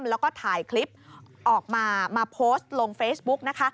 แล้วก็ถ่ายคลิปออกมามาโพสต์ลงเฟซบุ๊กนะคะ